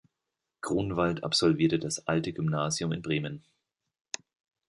Grunwald absolvierte das Alte Gymnasiums in Bremen.